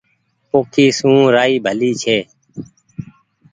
پوکي سون رآئي ڀلي ڇي ڪآئي